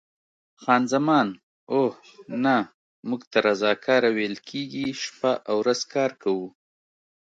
خان زمان: اوه، نه، موږ ته رضاکاره ویل کېږي، شپه او ورځ کار کوو.